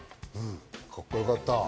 かっこよかった！